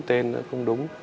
tên nó không đúng